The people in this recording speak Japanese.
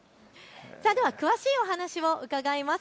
では詳しいお話を伺います。